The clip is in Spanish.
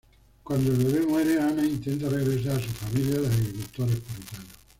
Cuando el bebe muere, Anna intenta regresar a su familia de agricultores puritanos.